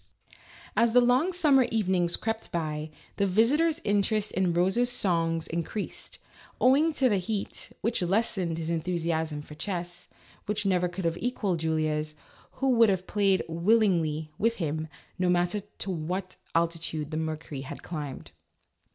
As the long summer evenings crept by, the visi tor's interest in Rose's songs increased, owing to the heat, which lessened his enthusiasm for chess (which never could have equalled Julia's), who would have played willingly (with him) no matter to what altitude the mercury had climbed.